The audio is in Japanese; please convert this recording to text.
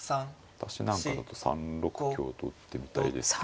私なんかだと３六香と打ってみたいですけど。